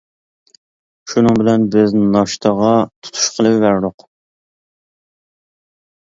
شۇنىڭ بىلەن بىز ناشتىغا تۇتۇش قىلىۋەردۇق.